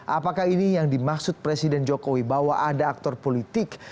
apakah ini yang dimaksud presiden jokowi bahwa ada aktor politik